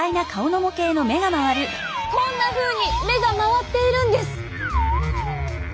こんなふうに目が回っているんです！